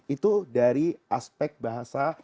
itu dari aspek bahasa